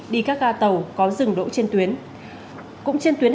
đi các ga tàu có rừng đỗ trên tuyến